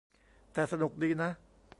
แต่สนุกดีนะ